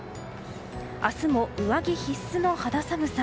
明日も上着必須の肌寒さ。